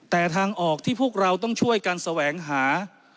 แต่ทางออกที่พวกเราต้องช่วยกันแสวงหา